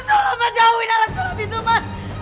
mas tolonglah jauhin alat sholat itu mas